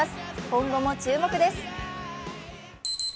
今後も注目です。